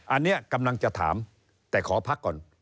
อันนี้กำลังจะถามแต่ขอพักก่อน